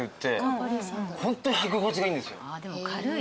でも軽い。